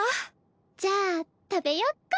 じゃあ食べよっか。